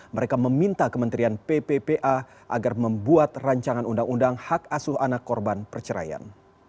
mereka meminta kementerian pppa agar membuat rancangan undang undang hak asuh anak korban perceraian